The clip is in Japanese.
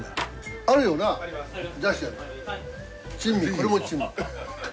これも珍味。